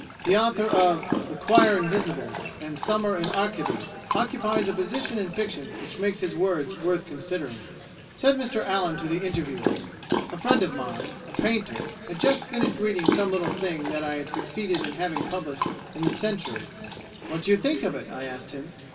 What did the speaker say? The author of "The Choir Invisible," and "Summer in Arcady," occupies a position in Fiction which makes his words worth considering. Said Mr Allen to the interviewer:[81:A] "A friend of mine a painter had just finished reading some little thing that I had succeeded in having published in the Century. 'What do you think of it?' I asked him.